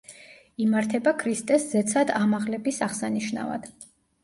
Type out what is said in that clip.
იმართება ქრისტეს ზეცად ამაღლების აღსანიშნავად.